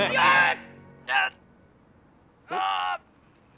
ああっ！